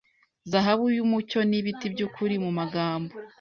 Zahabu yumucyo nibiti byukuri Mumagambo